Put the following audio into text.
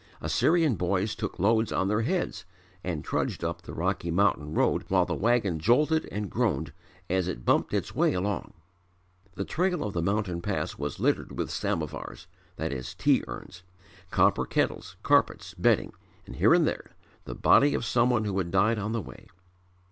Assyrian boys took loads on their heads and trudged up the rocky mountain road while the wagon jolted and groaned as it bumped its way along. The trail of the mountain pass was littered with samovars (tea urns), copper kettles, carpets, bedding; and here and there the body of someone who had died on the way.